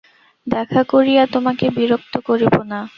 দেখা করিয়া তোমাকে বিরক্ত করিব না।